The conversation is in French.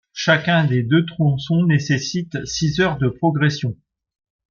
Chacun des deux tronçons nécessite six heures de progression.